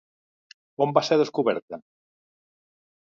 On va ser descoberta?